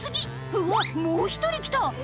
うわもう１人来た！